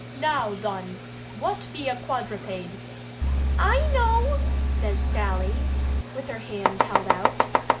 "Now thun, wutt be a quadripade?" "Ai knoo!" says Sally, with her hand held out.